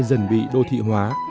dần bị đô thị hóa